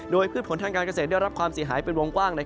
โดยพืชผลทางการเกษตรได้รับความเสียหายเป็นวงกว้าง